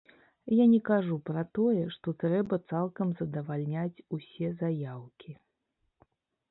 Я не кажу пра тое, што трэба цалкам задавальняць усе заяўкі.